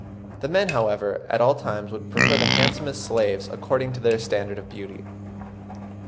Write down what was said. The men, however, at all times would prefer the handsomest slaves according to their standard of beauty.